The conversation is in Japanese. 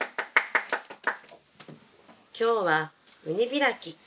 「今日は海開き。